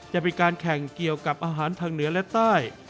จะเป็นการแข่งเกี่ยวกับอาหารทางเหนือและใต้